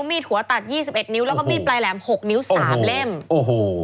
มีดหัวตัดยี่สิบเอ็ดนิ้วแล้วก็มีดปลายแหลมหกนิ้วสามเล่มโอ้โห